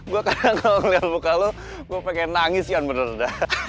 gue kadang kalo liat muka lo gue pengen nangis ya bener bener dah